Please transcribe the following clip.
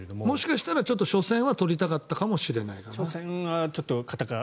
もしかしたら初戦は取りたかったかもしれないな。